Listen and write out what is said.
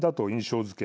づけ